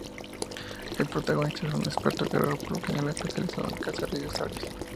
El protagonista es un experto guerrero, por lo general especializado en cazar dinosaurios.